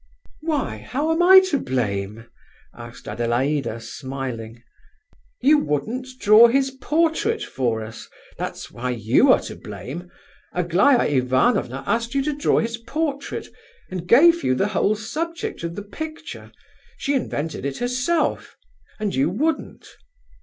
"Why, how am I to blame?" asked Adelaida, smiling. "You wouldn't draw his portrait for us, that's why you are to blame! Aglaya Ivanovna asked you to draw his portrait, and gave you the whole subject of the picture. She invented it herself; and you wouldn't."